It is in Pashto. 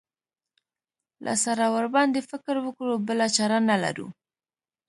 له سره ورباندې فکر وکړو بله چاره نه لرو.